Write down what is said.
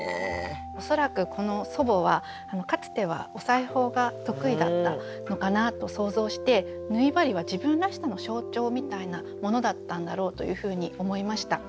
恐らくこの祖母はかつてはお裁縫が得意だったのかなと想像して縫い針は自分らしさの象徴みたいなものだったんだろうというふうに思いました。